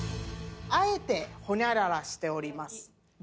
あえてホニャララしております。